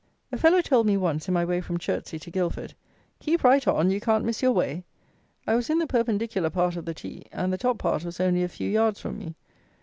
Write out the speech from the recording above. A fellow told me once, in my way from Chertsey to Guildford, "Keep right on, you can't miss your way." I was in the perpendicular part of the T, and the top part was only a few yards from me.